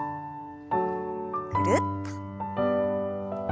ぐるっと。